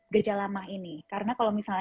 gejala mah ini karena kalau misalnya